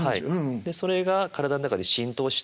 でそれが体の中で浸透して。